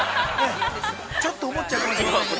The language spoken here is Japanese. ちょっと思っちゃうかもしれませんけど。